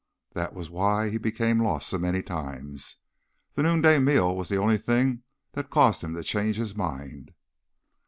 That was why he became lost so many times. The noonday meal was the only thing that caused him to change his mind.